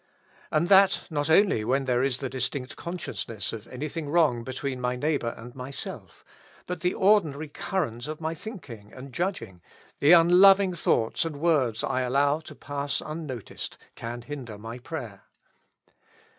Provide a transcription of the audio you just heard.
And that not only when there is the distinct consciousness of anything wrong be tween my neighbor and myself ; but the ordinary current of my thinking and judging, the unloving thoughts and words I allow to pass unnoticed, can hinder my prayer.